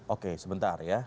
oke sebentar ya